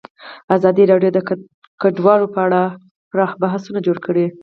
ازادي راډیو د کډوال په اړه پراخ بحثونه جوړ کړي.